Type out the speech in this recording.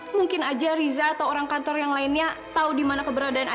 mungkin aja riza atau orang kantor yang lainnya tahu di mana keberadaannya